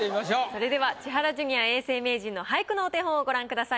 それでは千原ジュニア永世名人の俳句のお手本をご覧ください。